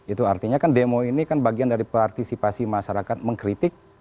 itu artinya kan demo ini kan bagian dari partisipasi masyarakat mengkritik